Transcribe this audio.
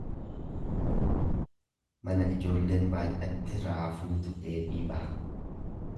Mana ijoolleen baay'atte raafuutu dheedhii baha.